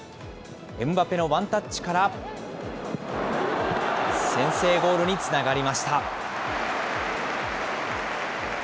エムバペのワンタッチから、先制ゴールにつながりました。